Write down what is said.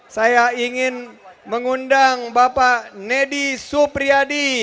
saya ingin mengundang bapak nedi supriyadi